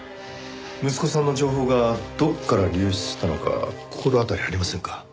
息子さんの情報がどこから流出したのか心当たりありませんか？